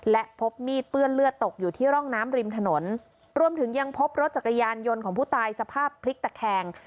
และพบมีดเปื้อนเลือดตกอยู่ที่ร่องน้ำริมถนนรวมถึงยังพบรถจักรยานยนต์ของผู้ตายสภาพพลิกตะแคง